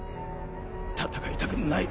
戦いたくない。